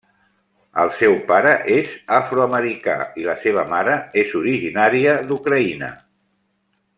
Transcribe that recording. El seu pare és afroamericà i la seva mare és originària d'Ucraïna.